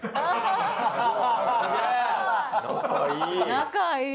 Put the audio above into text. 仲いい。